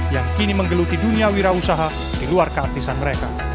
yang kini menggeluti dunia wira usaha di luar keartisan mereka